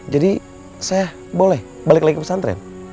jadi saya boleh balik lagi ke pesantren